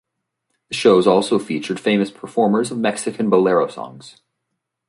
The shows also featured famous performers of Mexican bolero songs.